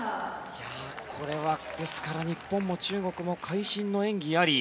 これはですから、日本も中国も会心の演技あり